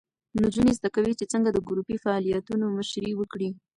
نجونې زده کوي چې څنګه د ګروپي فعالیتونو مشري وکړي.